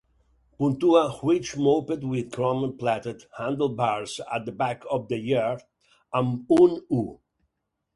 puntua Which Moped with Chrome-plated Handlebars at the Back of the Yard? amb un u